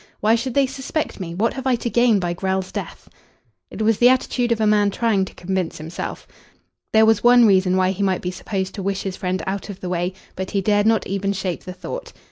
"Why should they suspect me? What have I to gain by Grell's death?" It was the attitude of a man trying to convince himself. There was one reason why he might be supposed to wish his friend out of the way, but he dared not even shape the thought.